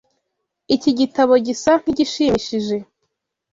Iki gitabo gisa nkigishimishije.